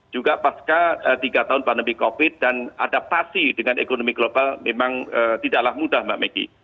juga pasca tiga tahun pandemi covid dan adaptasi dengan ekonomi global memang tidaklah mudah mbak megi